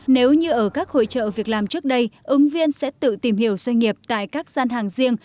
để hỗ trợ việc làm trước đây ứng viên sẽ tự tìm hiểu doanh nghiệp tại các gian hàng riêng